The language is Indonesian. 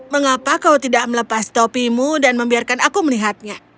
mengapa kau tidak melepas topimu dan membiarkan aku melihatnya